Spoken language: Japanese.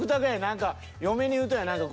何か嫁に言うとんや。